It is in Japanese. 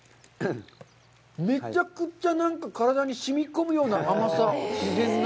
めちゃくちゃ体にしみ込むような甘さ、自然な。